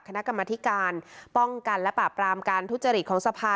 คณะกรรมธิการป้องกันและปราบรามการทุจริตของสภา